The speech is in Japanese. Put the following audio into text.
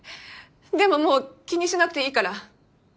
でももう気にしなくていいから。